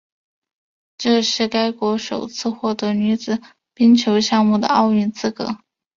这是该国首次获得女子冰球项目的奥运资格。